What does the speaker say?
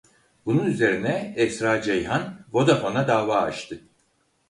Bunun üzerine Esra Ceyhan Vodafone'a dava açtı.